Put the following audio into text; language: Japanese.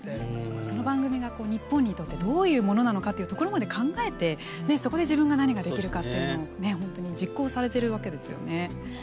その番組が日本にとってどういうものなのかまで考えて、そこで自分が何かできるかというのを実行されているわけですよね。